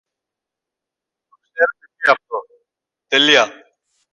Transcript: Το ξέρετε και αυτό.